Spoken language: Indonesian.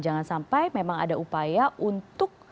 jangan sampai memang ada upaya untuk